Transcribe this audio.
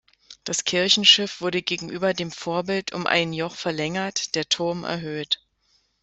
Das Kirchenschiff wurde gegenüber dem Vorbild um ein Joch verlängert, der Turm erhöht.